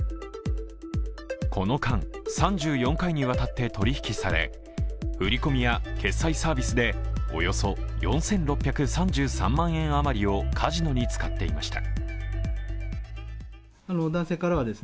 この間３４回にわたって取り引きされ、振り込みや決済サービスでおよそ４６３３万円あまりをカジノに使っていました。